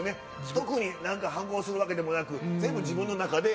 特に何か反抗するわけでもなく全部自分の中で。